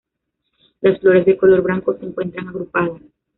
Las flores, de color blanco, se encuentran agrupadas.